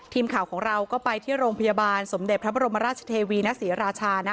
ทีมข่าวของเราก็ไปที่โรงพยาบาลสมเด็จพระบรมราชเทวีณศรีราชา